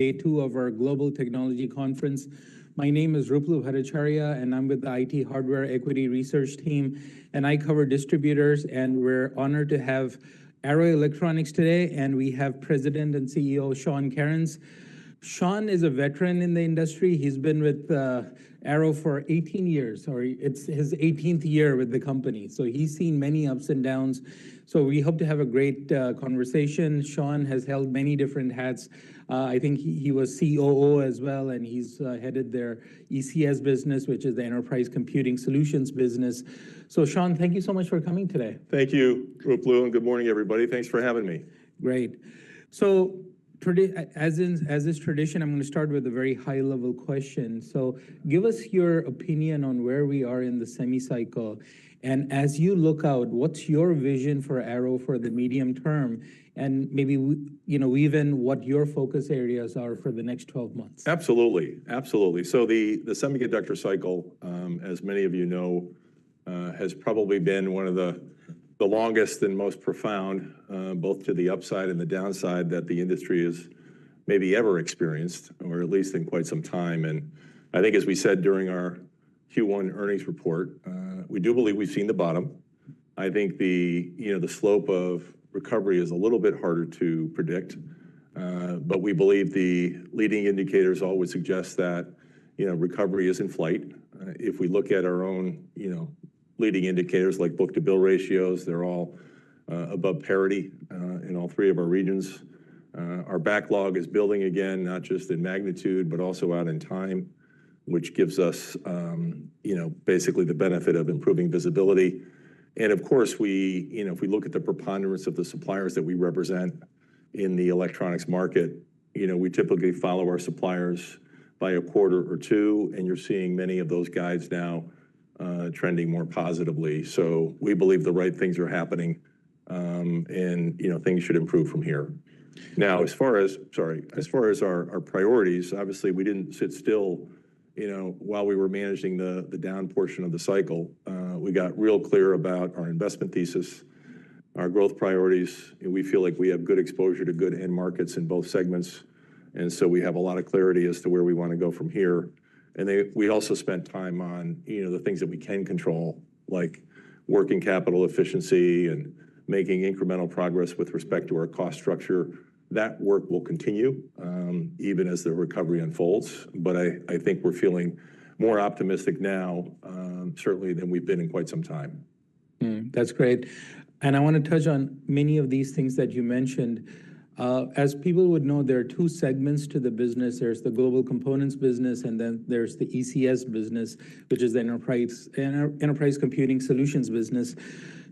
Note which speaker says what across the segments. Speaker 1: Day two of our Global Technology Conference. My name is Ruplu Haracharya, and I'm with the IT Hardware Equity Research Team, and I cover distributors. We're honored to have Arrow Electronics today, and we have President and CEO Sean Kerins. Sean is a veteran in the industry. He's been with Arrow for 18 years, or it's his 18th year with the company, so he's seen many ups and downs. We hope to have a great conversation. Sean has held many different hats. I think he was COO as well, and he's headed their ECS business, which is the Enterprise Computing Solutions business. Sean, thank you so much for coming today.
Speaker 2: Thank you, Ruplu, and good morning, everybody. Thanks for having me.
Speaker 1: Great. As is tradition, I'm going to start with a very high-level question. Give us your opinion on where we are in the semi-cycle, and as you look out, what's your vision for Arrow for the medium term, and maybe even what your focus areas are for the next 12 months?
Speaker 2: Absolutely. The semiconductor cycle, as many of you know, has probably been one of the longest and most profound, both to the upside and the downside, that the industry has maybe ever experienced, or at least in quite some time. I think, as we said during our Q1 earnings report, we do believe we've seen the bottom. I think the slope of recovery is a little bit harder to predict, but we believe the leading indicators always suggest that recovery is in flight. If we look at our own leading indicators like book-to-bill ratios, they're all above parity in all three of our regions. Our backlog is building again, not just in magnitude, but also out in time, which gives us basically the benefit of improving visibility. Of course, if we look at the preponderance of the suppliers that we represent in the electronics market, we typically follow our suppliers by a quarter or two, and you're seeing many of those guides now trending more positively. We believe the right things are happening, and things should improve from here. Now, as far as our priorities, obviously, we didn't sit still while we were managing the down portion of the cycle. We got real clear about our investment thesis, our growth priorities. We feel like we have good exposure to good end markets in both segments, and so we have a lot of clarity as to where we want to go from here. We also spent time on the things that we can control, like working capital efficiency and making incremental progress with respect to our cost structure. That work will continue even as the recovery unfolds, but I think we're feeling more optimistic now, certainly, than we've been in quite some time.
Speaker 1: That's great. I want to touch on many of these things that you mentioned. As people would know, there are two segments to the business. There's the Global Components business, and then there's the ECS business, which is the Enterprise Computing Solutions business.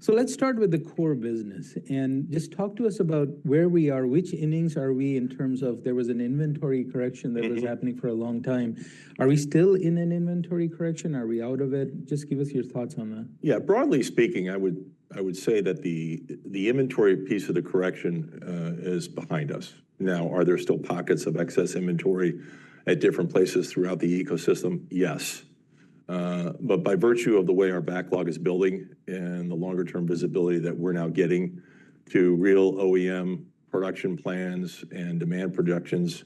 Speaker 1: Let's start with the core business and just talk to us about where we are, which innings are we in terms of there was an inventory correction that was happening for a long time. Are we still in an inventory correction? Are we out of it? Just give us your thoughts on that.
Speaker 2: Yeah. Broadly speaking, I would say that the inventory piece of the correction is behind us. Now, are there still pockets of excess inventory at different places throughout the ecosystem? Yes. By virtue of the way our backlog is building and the longer-term visibility that we're now getting to real OEM production plans and demand projections,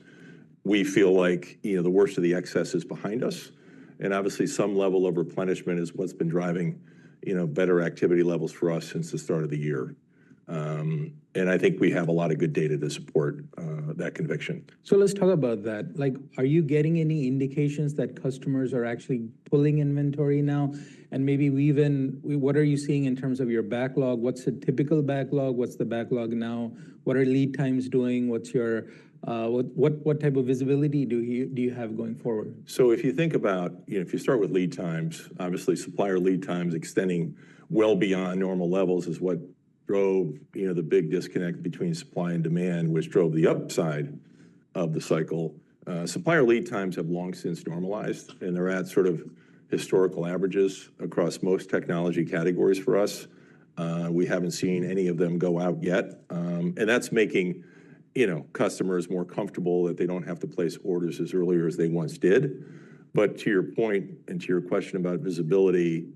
Speaker 2: we feel like the worst of the excess is behind us. Obviously, some level of replenishment is what's been driving better activity levels for us since the start of the year. I think we have a lot of good data to support that conviction.
Speaker 1: Let's talk about that. Are you getting any indications that customers are actually pulling inventory now? Maybe what are you seeing in terms of your backlog? What's a typical backlog? What's the backlog now? What are lead times doing? What type of visibility do you have going forward?
Speaker 2: If you think about, if you start with lead times, obviously, supplier lead times extending well beyond normal levels is what drove the big disconnect between supply and demand, which drove the upside of the cycle. Supplier lead times have long since normalized, and they're at sort of historical averages across most technology categories for us. We haven't seen any of them go out yet, and that's making customers more comfortable that they don't have to place orders as early as they once did. To your point and to your question about visibility,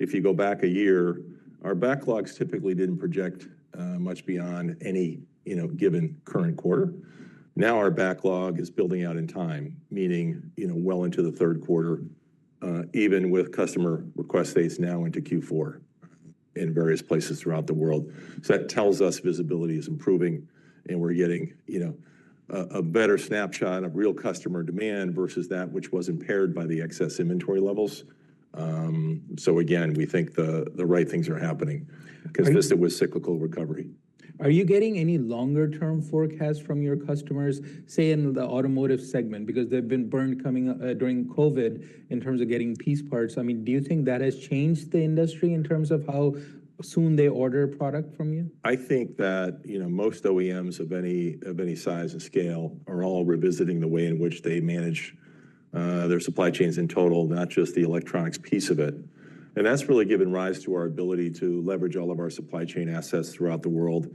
Speaker 2: if you go back a year, our backlogs typically didn't project much beyond any given current quarter. Now, our backlog is building out in time, meaning well into the third quarter, even with customer request dates now into Q4 in various places throughout the world. That tells us visibility is improving, and we're getting a better snapshot of real customer demand versus that which was impaired by the excess inventory levels. Again, we think the right things are happening because this was cyclical recovery.
Speaker 1: Are you getting any longer-term forecasts from your customers, say, in the automotive segment? Because there have been burns coming during COVID in terms of getting piece parts. Do you think that has changed the industry in terms of how soon they order a product from you?
Speaker 2: I think that most OEMs of any size and scale are all revisiting the way in which they manage their supply chains in total, not just the electronics piece of it. That's really given rise to our ability to leverage all of our supply chain assets throughout the world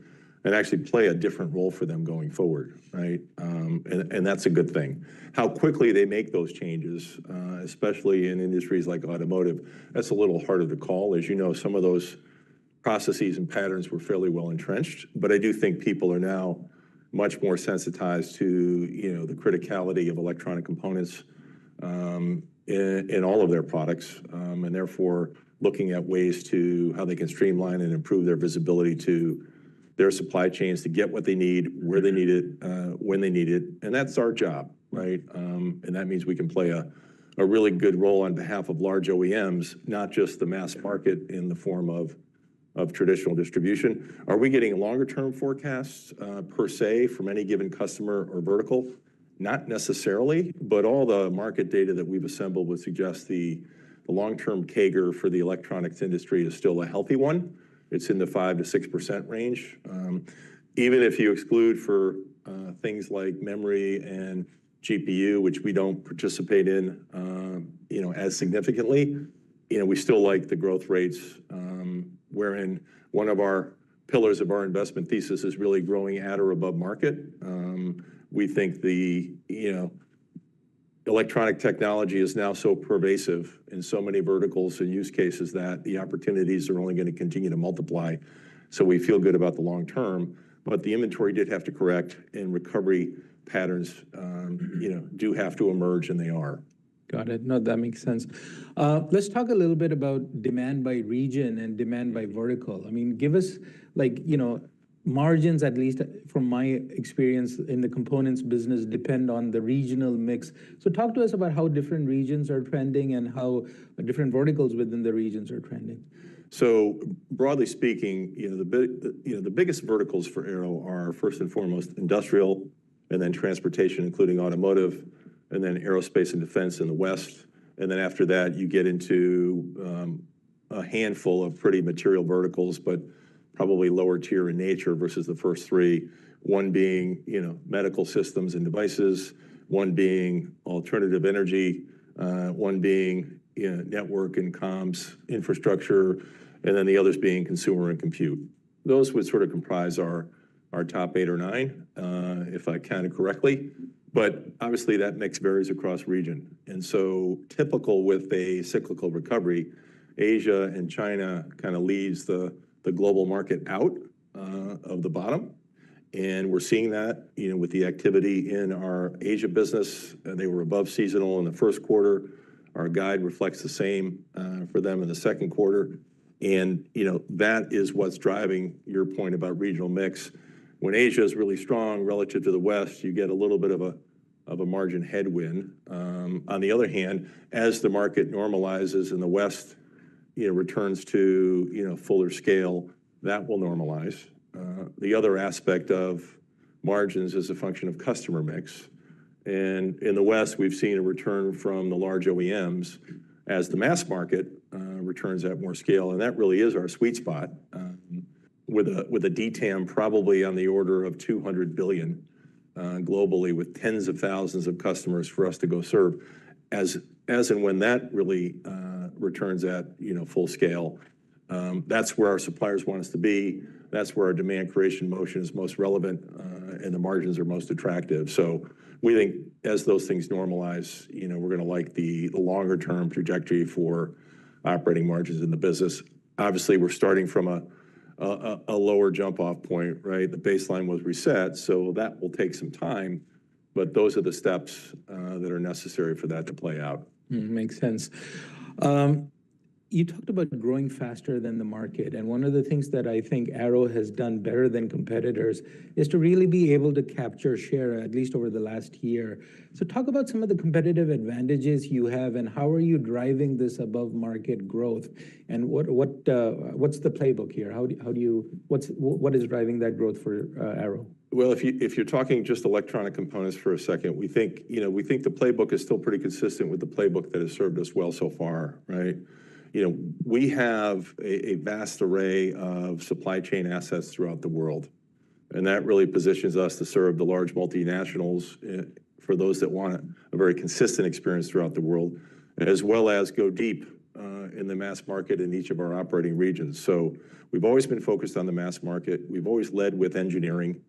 Speaker 2: and actually play a different role for them going forward. That's a good thing. How quickly they make those changes, especially in industries like automotive, that's a little harder to call. As you know, some of those processes and patterns were fairly well entrenched, but I do think people are now much more sensitized to the criticality of electronic components in all of their products, and therefore looking at ways to how they can streamline and improve their visibility to their supply chains to get what they need, where they need it, when they need it. That's our job, and that means we can play a really good role on behalf of large OEMs, not just the mass market in the form of traditional distribution. Are we getting longer-term forecasts per se from any given customer or vertical? Not necessarily, but all the market data that we've assembled would suggest the long-term CAGR for the electronics industry is still a healthy one. It's in the 5%-6% range. Even if you exclude for things like memory and GPU, which we don't participate in as significantly, we still like the growth rates, wherein one of our pillars of our investment thesis is really growing at or above market. We think the electronic technology is now so pervasive in so many verticals and use cases that the opportunities are only going to continue to multiply, so we feel good about the long term. The inventory did have to correct, and recovery patterns do have to emerge, and they are.
Speaker 1: Got it. No, that makes sense. Let's talk a little bit about demand by region and demand by vertical. Give us margins, at least from my experience in the components business, depend on the regional mix. Talk to us about how different regions are trending and how different verticals within the regions are trending.
Speaker 2: Broadly speaking, the biggest verticals for Arrow are first and foremost industrial, and then transportation, including automotive, and then aerospace and defense in the West. After that, you get into a handful of pretty material verticals, but probably lower tier in nature versus the first three, one being medical systems and devices, one being alternative energy, one being network and comms infrastructure, and then the others being consumer and compute. Those would sort of comprise our top eight or nine, if I counted correctly. Obviously, that mix varies across region. Typical with a cyclical recovery, Asia and China kind of lead the global market out of the bottom, and we're seeing that with the activity in our Asia business. They were above seasonal in the first quarter. Our guide reflects the same for them in the second quarter. That is what's driving your point about regional mix. When Asia is really strong relative to the west, you get a little bit of a margin headwind. On the other hand, as the market normalizes and the west returns to fuller scale, that will normalize. The other aspect of margins is a function of customer mix. In the west, we've seen a return from the large OEMs as the mass market returns at more scale, and that really is our sweet spot, with a DTAM probably on the order of $200 billion globally, with tens of thousands of customers for us to go serve. As and when that really returns at full scale, that's where our suppliers want us to be. That's where our demand creation motion is most relevant, and the margins are most attractive. We think as those things normalize, we're going to like the longer-term trajectory for operating margins in the business. Obviously, we're starting from a lower jump-off point. The baseline was reset, so that will take some time, but those are the steps that are necessary for that to play out.
Speaker 1: Makes sense. You talked about growing faster than the market, and one of the things that I think Arrow has done better than competitors is to really be able to capture share, at least over the last year. Talk about some of the competitive advantages you have, and how are you driving this above market growth, and what is the playbook here? What is driving that growth for Arrow?
Speaker 2: If you're talking just electronic components for a second, we think the playbook is still pretty consistent with the playbook that has served us well so far. We have a vast array of supply chain assets throughout the world, and that really positions us to serve the large multinationals for those that want a very consistent experience throughout the world, as well as go deep in the mass market in each of our operating regions. We've always been focused on the mass market. We've always led with engineering,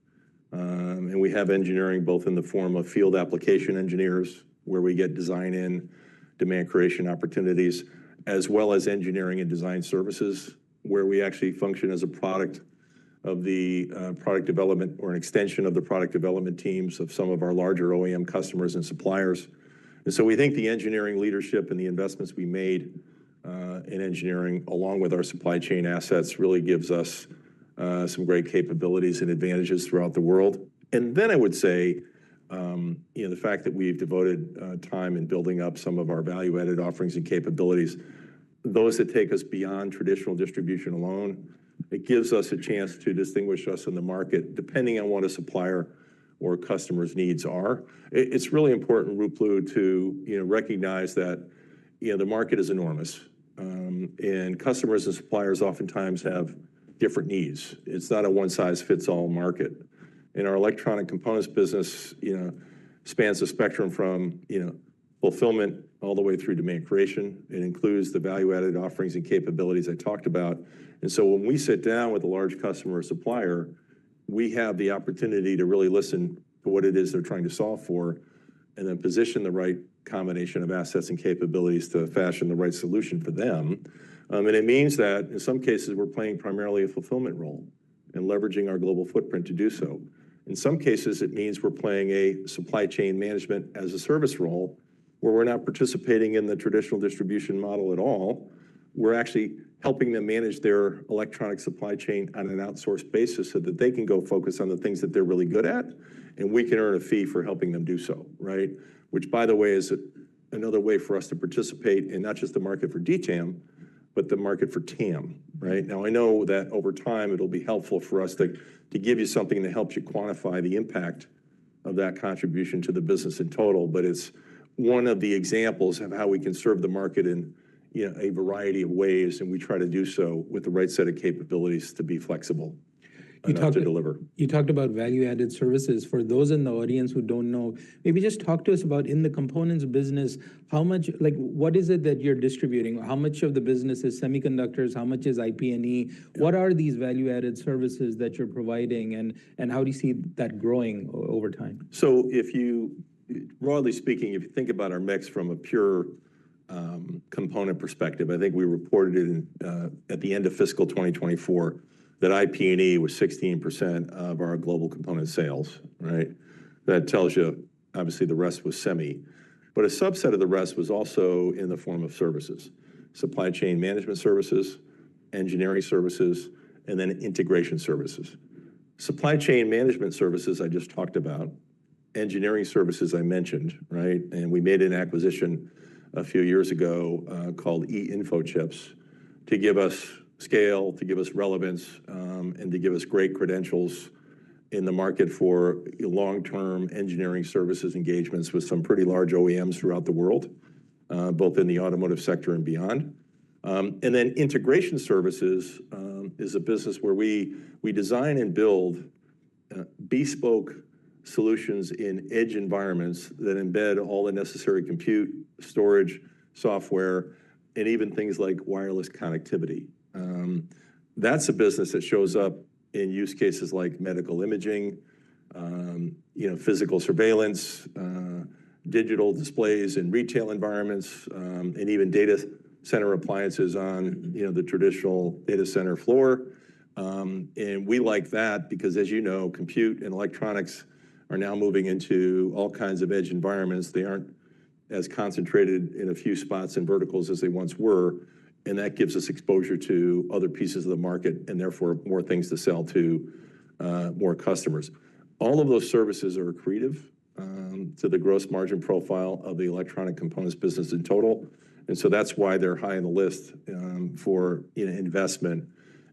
Speaker 2: and we have engineering both in the form of field application engineers, where we get design in demand creation opportunities, as well as engineering and design services, where we actually function as a product of the product development or an extension of the product development teams of some of our larger OEM customers and suppliers. We think the engineering leadership and the investments we made in engineering, along with our supply chain assets, really gives us some great capabilities and advantages throughout the world. I would say the fact that we've devoted time in building up some of our value-added offerings and capabilities, those that take us beyond traditional distribution alone, it gives us a chance to distinguish us in the market depending on what a supplier or customer's needs are. It's really important, Ruplu, to recognize that the market is enormous, and customers and suppliers oftentimes have different needs. It's not a one-size-fits-all market. Our electronic components business spans a spectrum from fulfillment all the way through demand creation. It includes the value-added offerings and capabilities I talked about. When we sit down with a large customer or supplier, we have the opportunity to really listen to what it is they're trying to solve for and then position the right combination of assets and capabilities to fashion the right solution for them. It means that in some cases, we're playing primarily a fulfillment role and leveraging our global footprint to do so. In some cases, it means we're playing a supply chain management as a service role where we're not participating in the traditional distribution model at all. We're actually helping them manage their electronic supply chain on an outsourced basis so that they can go focus on the things that they're really good at, and we can earn a fee for helping them do so, which, by the way, is another way for us to participate in not just the market for DTAM, but the market for TAM. Now, I know that over time, it'll be helpful for us to give you something that helps you quantify the impact of that contribution to the business in total, but it's one of the examples of how we can serve the market in a variety of ways, and we try to do so with the right set of capabilities to be flexible to deliver.
Speaker 1: You talked about value-added services. For those in the audience who don't know, maybe just talk to us about in the components business, what is it that you're distributing? How much of the business is semiconductors? How much is IP&E? What are these value-added services that you're providing, and how do you see that growing over time?
Speaker 2: Broadly speaking, if you think about our mix from a pure component perspective, I think we reported at the end of fiscal 2024 that IP&E was 16% of our global component sales. That tells you, obviously, the rest was semi, but a subset of the rest was also in the form of services: supply chain management services, engineering services, and then integration services. Supply chain management services I just talked about, engineering services I mentioned, and we made an acquisition a few years ago called eInfochips to give us scale, to give us relevance, and to give us great credentials in the market for long-term engineering services engagements with some pretty large OEMs throughout the world, both in the automotive sector and beyond. Integration services is a business where we design and build bespoke solutions in edge environments that embed all the necessary compute, storage, software, and even things like wireless connectivity. That is a business that shows up in use cases like medical imaging, physical surveillance, digital displays in retail environments, and even data center appliances on the traditional data center floor. We like that because, as you know, compute and electronics are now moving into all kinds of edge environments. They are not as concentrated in a few spots and verticals as they once were, and that gives us exposure to other pieces of the market and therefore more things to sell to more customers. All of those services are accretive to the gross margin profile of the electronic components business in total. That is why they are high on the list for investment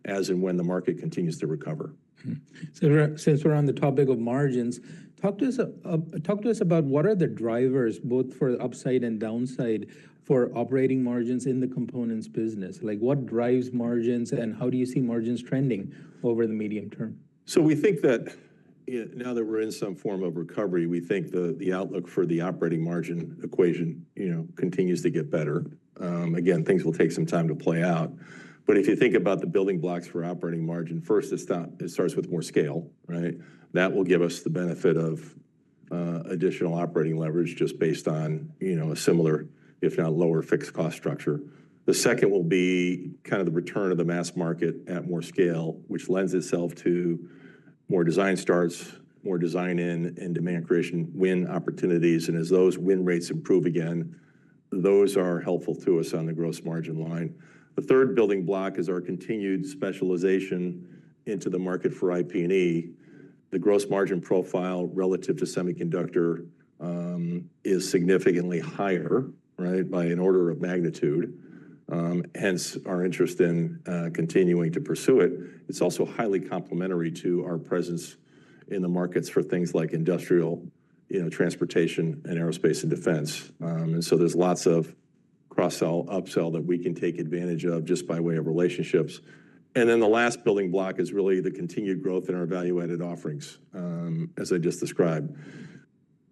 Speaker 2: as and when the market continues to recover.
Speaker 1: Since we're on the topic of margins, talk to us about what are the drivers, both for the upside and downside for operating margins in the components business. What drives margins, and how do you see margins trending over the medium term?
Speaker 2: We think that now that we're in some form of recovery, we think the outlook for the operating margin equation continues to get better. Again, things will take some time to play out. If you think about the building blocks for operating margin, first, it starts with more scale. That will give us the benefit of additional operating leverage just based on a similar, if not lower, fixed cost structure. The second will be kind of the return of the mass market at more scale, which lends itself to more design starts, more design in and demand creation, win opportunities. As those win rates improve again, those are helpful to us on the gross margin line. The third building block is our continued specialization into the market for IP&E. The gross margin profile relative to semiconductor is significantly higher by an order of magnitude, hence our interest in continuing to pursue it. It's also highly complementary to our presence in the markets for things like industrial, transportation, and aerospace and defense. There's lots of cross-sell, upsell that we can take advantage of just by way of relationships. The last building block is really the continued growth in our value-added offerings, as I just described.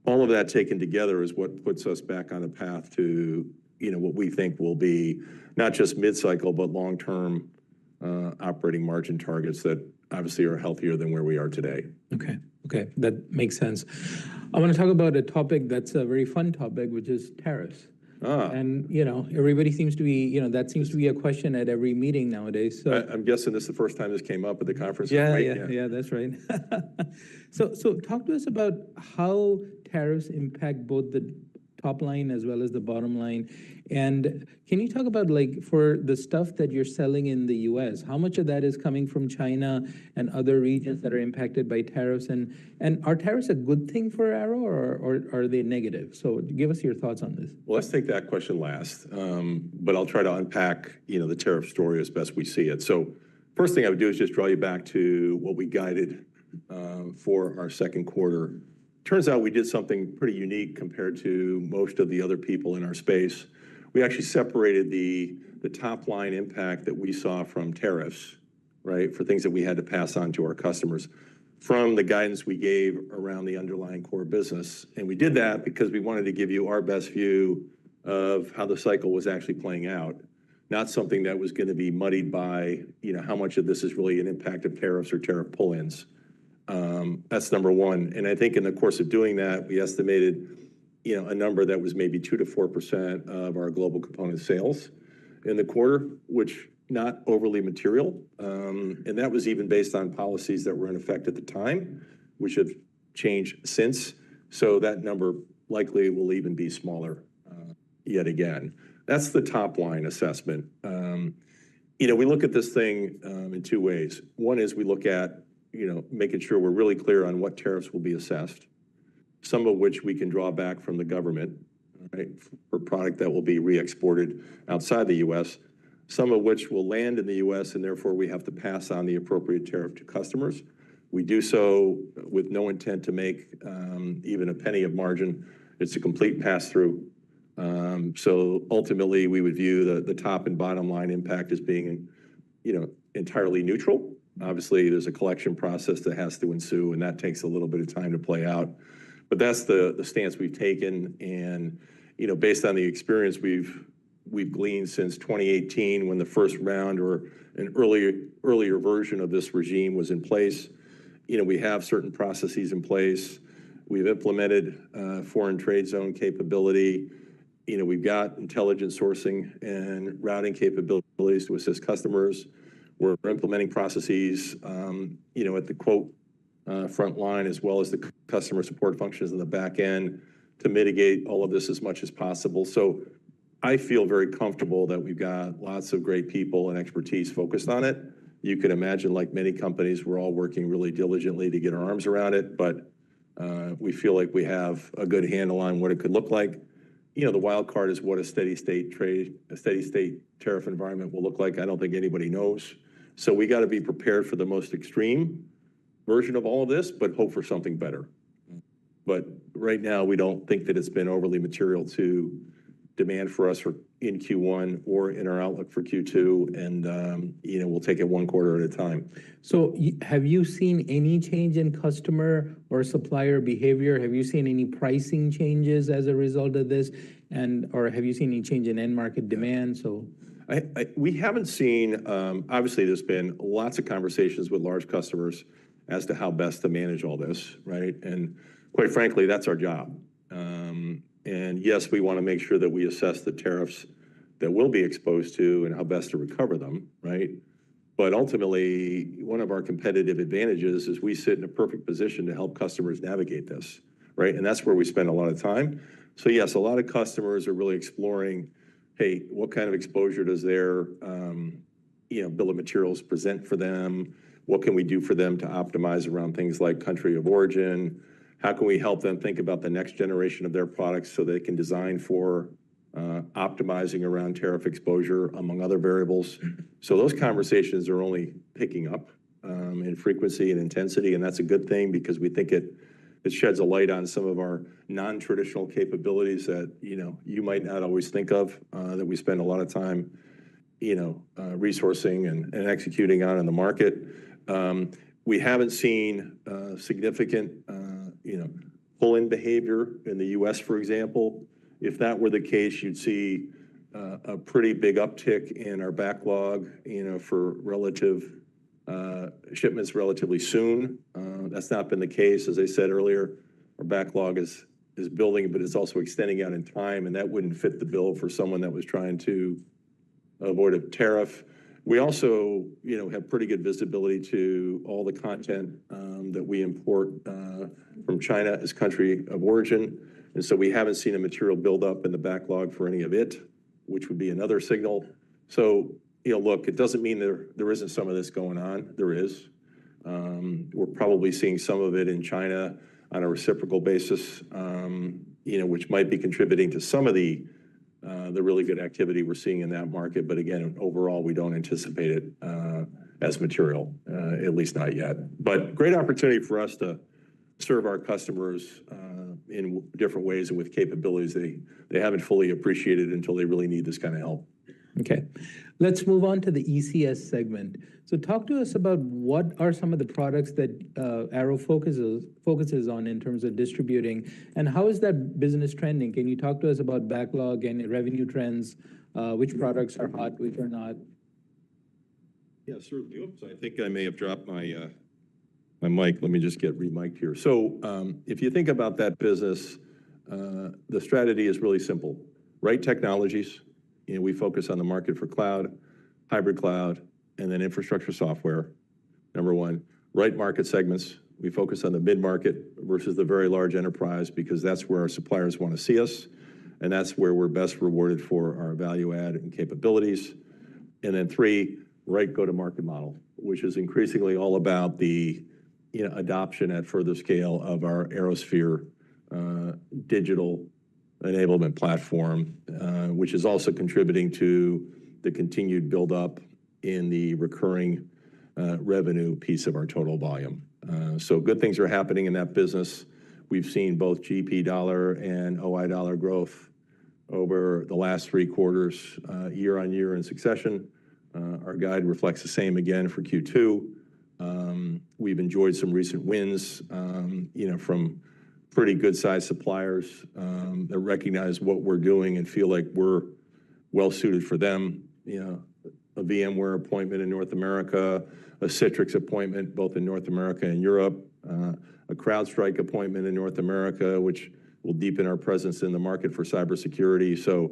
Speaker 2: All of that taken together is what puts us back on the path to what we think will be not just mid-cycle, but long-term operating margin targets that obviously are healthier than where we are today.
Speaker 1: Okay. That makes sense. I want to talk about a topic that's a very fun topic, which is tariffs. Everybody seems to be, that seems to be a question at every meeting nowadays.
Speaker 2: I'm guessing this is the first time this came up at the conference.
Speaker 1: Yeah, that's right. Talk to us about how tariffs impact both the top line as well as the bottom line. Can you talk about for the stuff that you're selling in the U.S., how much of that is coming from China and other regions that are impacted by tariffs? Are tariffs a good thing for Arrow, or are they negative? Give us your thoughts on this.
Speaker 2: Let's take that question last, but I'll try to unpack the tariff story as best we see it. First thing I would do is just draw you back to what we guided for our second quarter. Turns out we did something pretty unique compared to most of the other people in our space. We actually separated the top line impact that we saw from tariffs for things that we had to pass on to our customers from the guidance we gave around the underlying core business. We did that because we wanted to give you our best view of how the cycle was actually playing out, not something that was going to be muddied by how much of this is really an impact of tariffs or tariff pull-ins. That's number one. I think in the course of doing that, we estimated a number that was maybe 2%-4% of our global component sales in the quarter, which is not overly material. That was even based on policies that were in effect at the time, which have changed since. That number likely will even be smaller yet again. That's the top line assessment. We look at this thing in two ways. One is we look at making sure we're really clear on what tariffs will be assessed, some of which we can draw back from the government for product that will be re-exported outside the U.S., some of which will land in the U.S., and therefore we have to pass on the appropriate tariff to customers. We do so with no intent to make even a penny of margin. It's a complete pass-through. Ultimately, we would view the top and bottom line impact as being entirely neutral. Obviously, there is a collection process that has to ensue, and that takes a little bit of time to play out. That is the stance we have taken. Based on the experience we have gleaned since 2018, when the first round or an earlier version of this regime was in place, we have certain processes in place. We have implemented foreign trade zone capability. We have got intelligent sourcing and routing capabilities to assist customers. We are implementing processes at the quote front line as well as the customer support functions in the back end to mitigate all of this as much as possible. I feel very comfortable that we have got lots of great people and expertise focused on it. You can imagine like many companies, we're all working really diligently to get our arms around it, but we feel like we have a good handle on what it could look like. The wild card is what a steady state tariff environment will look like. I don't think anybody knows. We got to be prepared for the most extreme version of all of this, but hope for something better. Right now, we don't think that it's been overly material to demand for us in Q1 or in our outlook for Q2, and we'll take it one quarter at a time.
Speaker 1: Have you seen any change in customer or supplier behavior? Have you seen any pricing changes as a result of this? Have you seen any change in end market demand?
Speaker 2: We haven't seen. Obviously, there's been lots of conversations with large customers as to how best to manage all this. Quite frankly, that's our job. Yes, we want to make sure that we assess the tariffs that we'll be exposed to and how best to recover them. Ultimately, one of our competitive advantages is we sit in a perfect position to help customers navigate this, and that's where we spend a lot of time. Yes, a lot of customers are really exploring, hey, what kind of exposure does their bill of materials present for them? What can we do for them to optimize around things like country of origin? How can we help them think about the next generation of their products so they can design for optimizing around tariff exposure among other variables? Those conversations are only picking up in frequency and intensity, and that's a good thing because we think it sheds a light on some of our non-traditional capabilities that you might not always think of that we spend a lot of time resourcing and executing on in the market. We haven't seen significant pull-in behavior in the U.S., for example. If that were the case, you'd see a pretty big uptick in our backlog for relative shipments relatively soon. That's not been the case. As I said earlier, our backlog is building, but it's also extending out in time, and that wouldn't fit the bill for someone that was trying to avoid a tariff. We also have pretty good visibility to all the content that we import from China as country of origin. We haven't seen a material buildup in the backlog for any of it, which would be another signal. Look, it doesn't mean there isn't some of this going on. There is. We're probably seeing some of it in China on a reciprocal basis, which might be contributing to some of the really good activity we're seeing in that market. Again, overall, we don't anticipate it as material, at least not yet. Great opportunity for us to serve our customers in different ways and with capabilities they haven't fully appreciated until they really need this kind of help.
Speaker 1: Okay. Let's move on to the ECS segment. Talk to us about what are some of the products that Arrow focuses on in terms of distributing, and how is that business trending? Can you talk to us about backlog and revenue trends? Which products are hot, which are not?
Speaker 2: Yeah, certainly. I think I may have dropped my mic. Let me just get re-miked here. If you think about that business, the strategy is really simple. Right technologies, we focus on the market for cloud, hybrid cloud, and then infrastructure software, number one. Right market segments, we focus on the mid-market versus the very large enterprise because that's where our suppliers want to see us, and that's where we're best rewarded for our value-add and capabilities. Then three, right go-to-market model, which is increasingly all about the adoption at further scale of our ArrowSphere digital enablement platform, which is also contributing to the continued buildup in the recurring revenue piece of our total volume. Good things are happening in that business. We've seen both GP dollar and OI dollar growth over the last three quarters, year-on-year in succession. Our guide reflects the same again for Q2. We've enjoyed some recent wins from pretty good-sized suppliers that recognize what we're doing and feel like we're well-suited for them. A VMware appointment in North America, a Citrix appointment both in North America and Europe, a CrowdStrike appointment in North America, which will deepen our presence in the market for cybersecurity.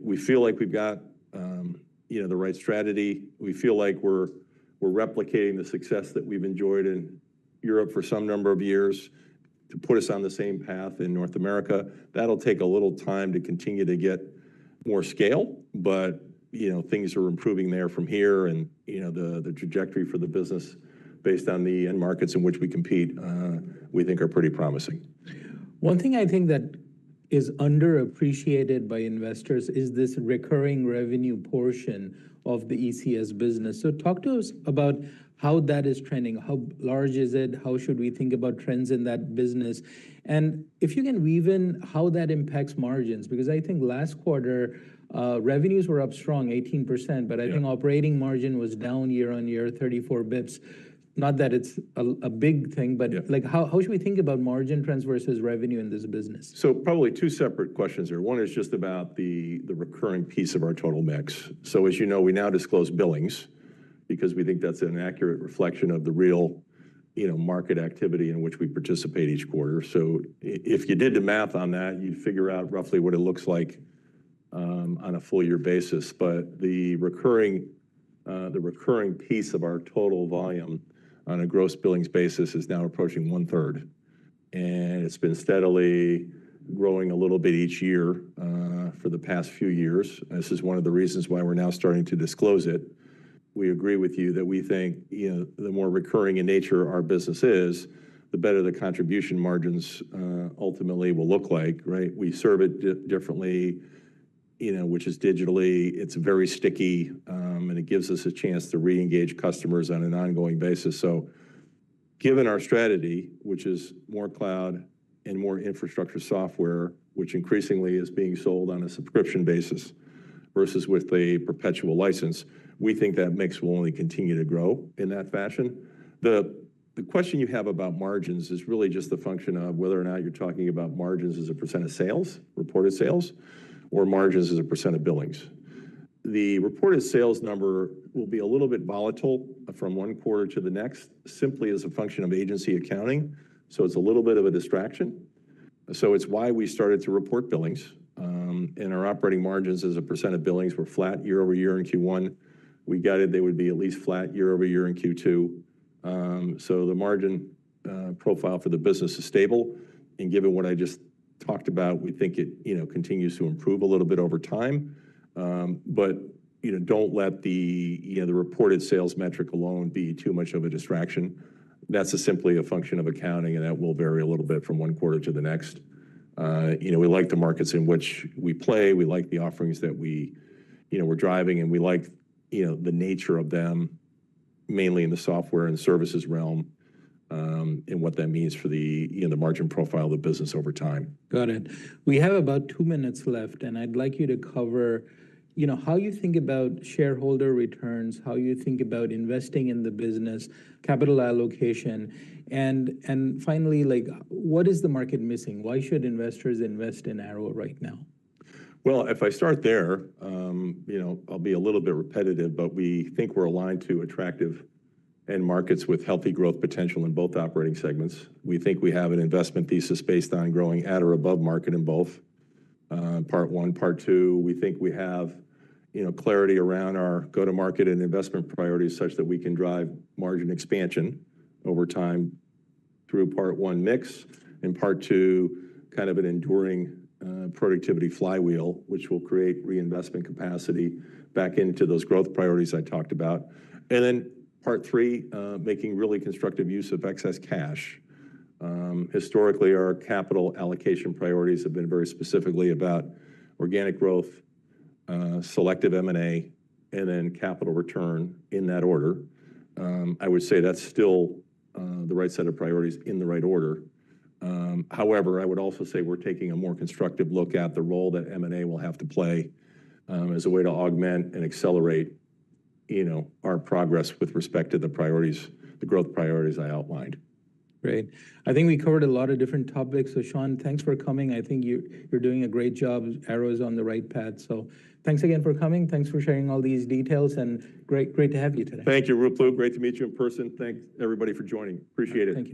Speaker 2: We feel like we've got the right strategy. We feel like we're replicating the success that we've enjoyed in Europe for some number of years to put us on the same path in North America. That'll take a little time to continue to get more scale, but things are improving there from here, and the trajectory for the business based on the end markets in which we compete, we think are pretty promising.
Speaker 1: One thing I think that is underappreciated by investors is this recurring revenue portion of the ECS business. Talk to us about how that is trending. How large is it? How should we think about trends in that business? If you can weave in how that impacts margins, because I think last quarter revenues were up strong, 18%, but I think operating margin was down year-on-year, 34 basis points. Not that it's a big thing, but how should we think about margin trends versus revenue in this business?
Speaker 2: Probably two separate questions here. One is just about the recurring piece of our total mix. As you know, we now disclose billings because we think that's an accurate reflection of the real market activity in which we participate each quarter. If you did the math on that, you'd figure out roughly what it looks like on a full year basis. The recurring piece of our total volume on a gross billings basis is now approaching 1/3, and it's been steadily growing a little bit each year for the past few years. This is one of the reasons why we're now starting to disclose it. We agree with you that we think the more recurring in nature our business is, the better the contribution margins ultimately will look like. We serve it differently, which is digitally. It's very sticky, and it gives us a chance to re-engage customers on an ongoing basis. Given our strategy, which is more cloud and more infrastructure software, which increasingly is being sold on a subscription basis versus with a perpetual license, we think that mix will only continue to grow in that fashion. The question you have about margins is really just the function of whether or not you're talking about margins as a percent of sales, reported sales, or margins as a percent of billings. The reported sales number will be a little bit volatile from one quarter to the next simply as a function of agency accounting. It's a little bit of a distraction. It's why we started to report billings. Our operating margins as a percent of billings were flat year-over-year in Q1. We guided they would be at least flat year-over-year in Q2. The margin profile for the business is stable. Given what I just talked about, we think it continues to improve a little bit over time. Do not let the reported sales metric alone be too much of a distraction. That is simply a function of accounting, and that will vary a little bit from one quarter to the next. We like the markets in which we play. We like the offerings that we are driving, and we like the nature of them mainly in the software and services realm and what that means for the margin profile of the business over time.
Speaker 1: Got it. We have about two minutes left, and I'd like you to cover how you think about shareholder returns, how you think about investing in the business, capital allocation, and finally, what is the market missing? Why should investors invest in Arrow right now?
Speaker 2: If I start there, I'll be a little bit repetitive, but we think we're aligned to attractive end markets with healthy growth potential in both operating segments. We think we have an investment thesis based on growing at or above market in both part one. Part two, we think we have clarity around our go-to-market and investment priorities such that we can drive margin expansion over time through part one mix and part two, kind of an enduring productivity flywheel, which will create reinvestment capacity back into those growth priorities I talked about. Then part three, making really constructive use of excess cash. Historically, our capital allocation priorities have been very specifically about organic growth, selective M&A, and then capital return in that order. I would say that's still the right set of priorities in the right order. However, I would also say we're taking a more constructive look at the role that M&A will have to play as a way to augment and accelerate our progress with respect to the growth priorities I outlined.
Speaker 1: Great. I think we covered a lot of different topics. Sean, thanks for coming. I think you're doing a great job. Arrow is on the right path. Thanks again for coming. Thanks for sharing all these details, and great to have you today.
Speaker 2: Thank you, Ruplu. Great to meet you in person. Thank everybody for joining. Appreciate it.